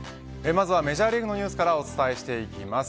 まずはメジャーリーグのニュースからお伝えしていきます。